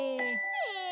え。